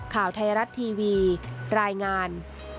ข่าวไทยรัฐทีวีรายงาน